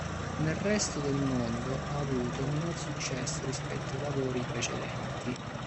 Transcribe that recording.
Nel resto del mondo, ha avuto minor successo rispetto ai lavori precedenti.